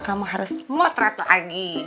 kamu harus motret lagi